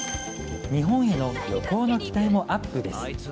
日本への旅行の期待もアップです。